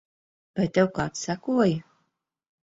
Vai tev kāds sekoja?